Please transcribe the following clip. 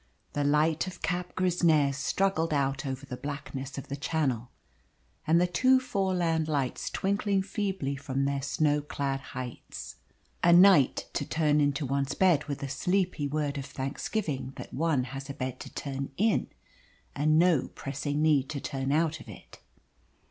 The light of Cap Grisnez struggling out over the blackness of the Channel, and the two Foreland lights twinkling feebly from their snow clad heights. A night to turn in one's bed with a sleepy word of thanksgiving that one has a bed to turn in, and no pressing need to turn out of it.